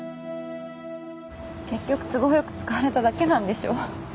結局都合よく使われただけなんでしょ。